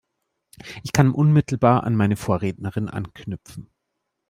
Ich kann unmittelbar an meine Vorrednerin anknüpfen.